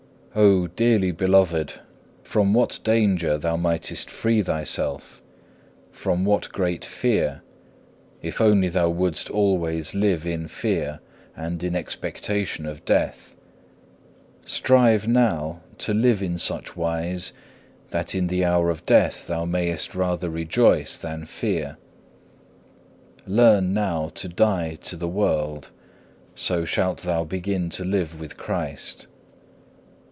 6. Oh, dearly beloved, from what danger thou mightest free thyself, from what great fear, if only thou wouldst always live in fear, and in expectation of death! Strive now to live in such wise that in the hour of death thou mayest rather rejoice than fear. Learn now to die to the world, so shalt thou begin to live with Christ.